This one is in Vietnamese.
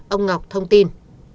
ông ngọc thông tin